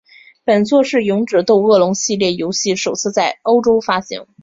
本作是勇者斗恶龙系列游戏首次在欧洲发行。